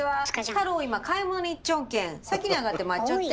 太郎今買い物に行っちょんけん先に上がって待っちょって！